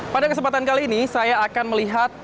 pada kesempatan kali ini saya akan melihat